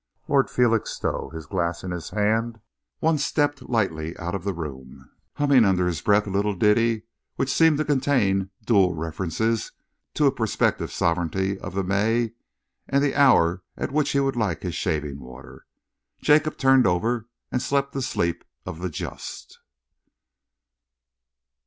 Lord Felixstowe, his glass in his hand, one stepped lightly out of the room, humming under his breath a little ditty which seemed to contain dual references to a prospective sovereignty of the May and the hour at which he would like his shaving water. Jacob turned over and slept the sleep of the just.